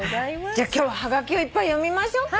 じゃあ今日ははがきをいっぱい読みましょうか。